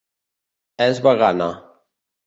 És vegana.